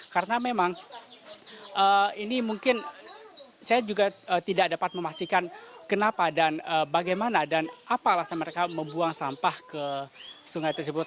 karena memang ini mungkin saya juga tidak dapat memastikan kenapa dan bagaimana dan apa alasan mereka membuang sampah ke sungai tersebut